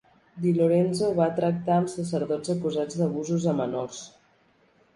DiLorenzo va tractar amb sacerdots acusats d'abusos a menors.